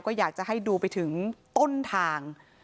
ก็อยากจะให้ดูไปถึงต้นทาง